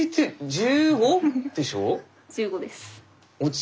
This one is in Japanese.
１５です。